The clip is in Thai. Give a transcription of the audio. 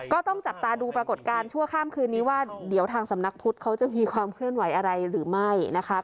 ก็ต้องจับตาดูปรากฏการณ์ชั่วข้ามคืนนี้ว่าเดี๋ยวทางสำนักพุทธเขาจะมีความเคลื่อนไหวอะไรหรือไม่นะคะ